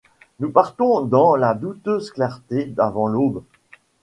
Nous partons dans la douteuse clarté d’avant l’aube.